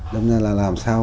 đó là làm sao